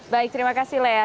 baik terima kasih lea